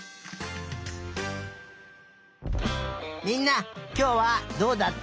みんなきょうはどうだった？